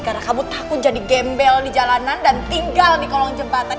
karena kamu takut jadi gembel di jalanan dan tinggal di kolong jembatan